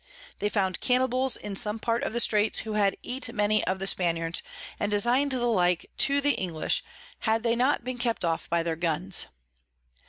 They found Cannibals in some part of the Straits, who had eat many of the Spaniards, and design'd the like to the English, had they not been kept off by their Guns.